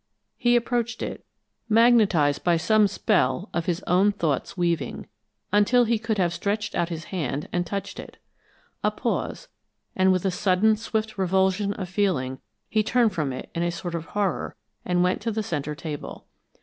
He approached it, magnetized by some spell of his own thoughts' weaving, until he could have stretched out his hand and touched it. A pause, and with a sudden swift revulsion of feeling, he turned from it in a sort of horror and went to the center table.